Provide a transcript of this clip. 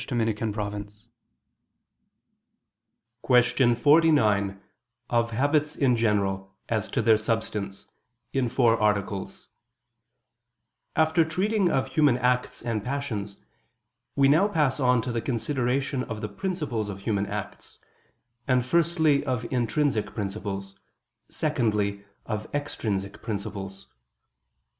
49 54) ________________________ QUESTION 49 OF HABITS IN GENERAL, AS TO THEIR SUBSTANCE (In Four Articles) After treating of human acts and passions, we now pass on to the consideration of the principles of human acts, and firstly of intrinsic principles, secondly of extrinsic principles.